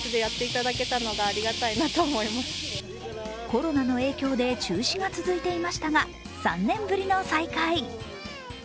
コロナの影響で中止が続いていましたが３年ぶりの再開。